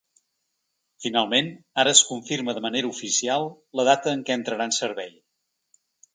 Finalment ara es confirma de manera oficial la data en què entrarà en servei.